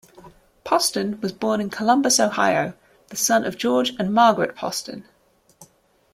Poston was born in Columbus, Ohio, the son of George and Margaret Poston.